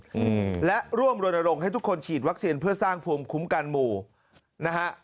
อืมและร่วมรณรงค์ให้ทุกคนฉีดวัคซีนเพื่อสร้างภูมิคุ้มกันหมู่นะฮะ